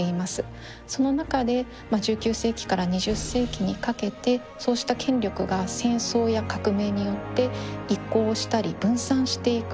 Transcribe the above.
その中で１９世紀から２０世紀にかけてそうした権力が戦争や革命によって移行したり分散していく。